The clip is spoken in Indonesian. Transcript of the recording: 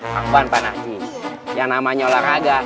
pak ban pak narji yang namanya olahraga